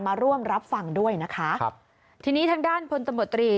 มาร่วมรับฟังด้วยนะคะครับทีนี้ทางด้านพลตำรวจตรี